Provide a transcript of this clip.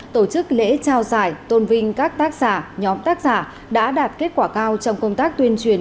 tổ chức lễ trao giải tôn vinh các tác giả nhóm tác giả đã đạt kết quả cao trong công tác tuyên truyền